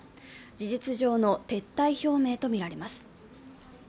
事実上の撤退表明とみられます。